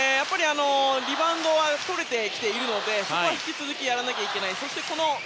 リバウンドはとれてきているのでそこは引き続きやらなきゃいけない。